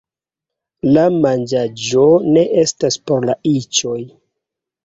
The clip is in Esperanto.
La manĝaĵo ne estas por la iĉoj